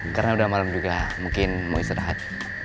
karena udah malem juga mungkin mau istirahat